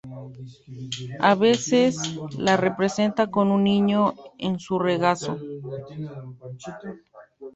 A veces se la representa con un niño en su regazo.